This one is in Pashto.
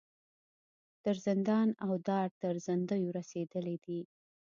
تر زندان او دار تر زندیو رسېدلي دي.